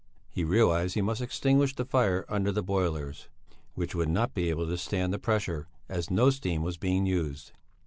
He realized that he must extinguish the fire under the boilers; they would not be able to stand the pressure, as no steam was being used.